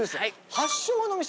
発祥の店。